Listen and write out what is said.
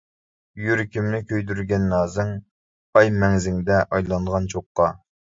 يۈرىكىمنى كۆيدۈرگەن نازىڭ، ئاي مەڭزىڭدە ئايلانغان چوغقا.